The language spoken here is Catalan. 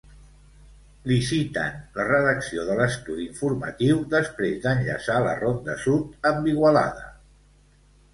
Liciten la redacció de l'estudi informatiu després d'enllaçar la Ronda Sud amb Igualada.